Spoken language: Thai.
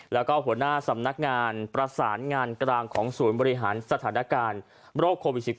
แล้วก็หัวหน้าสำนักงานประสานงานกลางของศูนย์บริหารสถานการณ์โรคโควิด๑๙